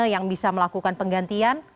yang bisa melakukan penggantian